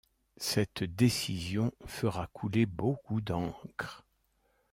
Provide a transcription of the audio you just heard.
Cette décision fera couler beaucoup d'encre.